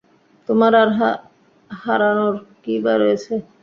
তোমার আর হারানোর কীইবা রয়েছে?